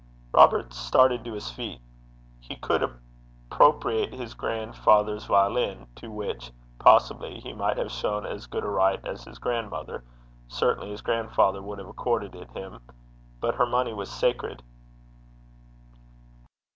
Robert started to his feet. He could appropriate his grandfather's violin, to which, possibly, he might have shown as good a right as his grandmother certainly his grandfather would have accorded it him but her money was sacred.